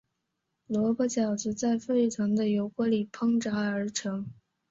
萝卜饺子在沸腾的油锅里烹炸而成。